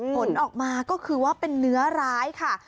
ผลออกมาก็คือว่าเป็นเนื้อร้ายค่ะ